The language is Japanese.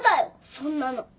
そんなの。